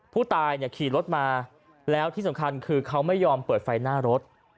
ผู้ตายขี่รถมาแล้วที่สำคัญคือเขาไม่ยอมเปิดไฟหน้ารถ